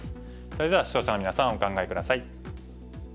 それでは視聴者のみなさんお考え下さい。